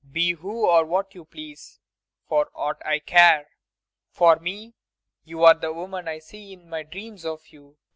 Be who or what you please, for aught I care! For me, you are the woman I see in my dreams of you.